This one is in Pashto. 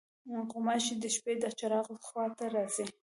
غوماشې د شپې د چراغ خوا ته راځي.